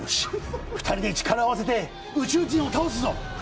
２人で力を合わせて宇宙人を倒すぞ。